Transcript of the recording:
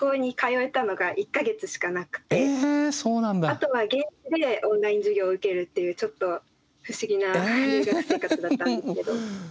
あとは現地でオンライン授業を受けるっていうちょっと不思議な留学生活だったんですけど。